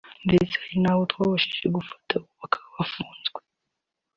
ndetse hari n’abo twabashije gufata ubu bakaba bafunze